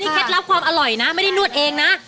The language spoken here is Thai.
แคทรัพย์ความอร่อยนะไม่ได้นวดเองนะ